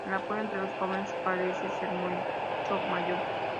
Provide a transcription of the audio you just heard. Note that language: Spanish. El apoyo entre los jóvenes parece ser mucho mayor.